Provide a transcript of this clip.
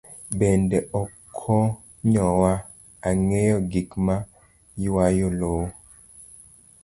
Bende okonyowa geng'o gik ma ywayo lowo.